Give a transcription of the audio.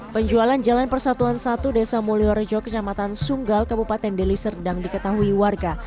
penjualan jalan persatuan satu desa mulyorejo kecamatan sunggal kabupaten deli serdang diketahui warga